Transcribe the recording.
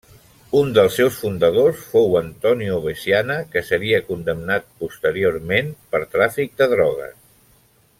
Un dels seus fundadors fou Antonio Veciana que seria condemnat posteriorment per tràfic de drogues.